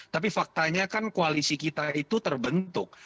tapi faktanya kan koalisi kita itu terbentuk